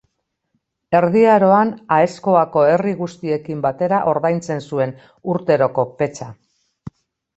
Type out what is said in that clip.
Erdi Aroan Aezkoako herri guztiekin batera ordaintzen zuen urteroko petxa.